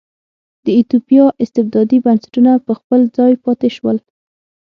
د ایتوپیا استبدادي بنسټونه په خپل ځای پاتې شول.